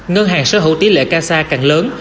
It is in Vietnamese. ngân hàng sở hữu tỷ lệ kasha càng lớn